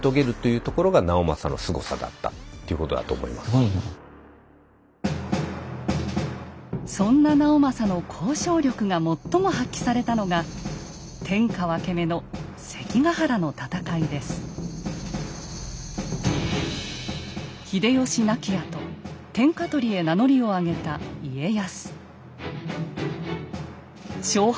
つまり実質的にはそのそんな直政の交渉力が最も発揮されたのが天下分け目の秀吉亡きあと天下取りへ名乗りを上げた家康。